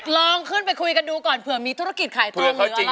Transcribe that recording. ลองขึ้นไปคุยกันดูก่อนเผื่อมีธุรกิจขายทองหรืออะไร